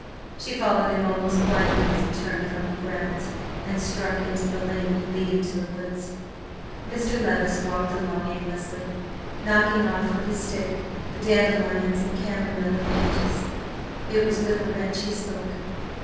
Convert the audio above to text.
She followed him almost blindly as he turned from the grounds and struck into the lane leading to the woods. Mr. Levice walked along, aimlessly knocking off with his stick the dandelions and camomile in the hedges. It was with a wrench he spoke.